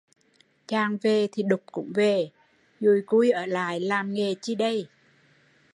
Chàng về thì đục cũng về, đùi cui ở lại làm nghề chi đây